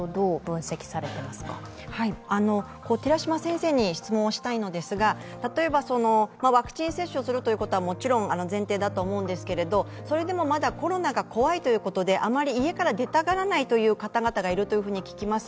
寺嶋先生に質問したいのですがワクチン接種をするということはもちろん前提だと思うんですけれども、それでもまだコロナが怖いということで、あまり家から出たがらない方々がいると聞きます。